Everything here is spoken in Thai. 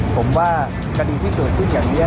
ผมว่าคดีที่เกิดขึ้นอย่างนี้